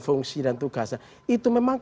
fungsi dan tugasnya itu memang